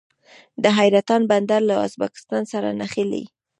د حیرتان بندر له ازبکستان سره نښلي